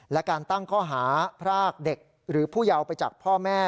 และการตั้งข้อหาพรากเด็กหรือผู้เยาว์ไปจากพ่อแม่